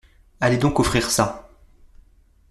Allez donc offrir ça !…